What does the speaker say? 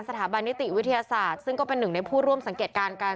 สถาบันนิติวิทยาศาสตร์ซึ่งก็เป็นหนึ่งในผู้ร่วมสังเกตการณ์กัน